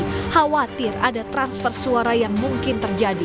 tapi khawatir ada transfer suara yang mungkin terjadi